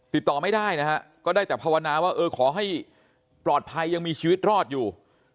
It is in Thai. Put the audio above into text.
ติดต่อไม่ได้นะฮะก็ได้แต่ภาวนาว่าเออขอให้ปลอดภัยยังมีชีวิตรอดอยู่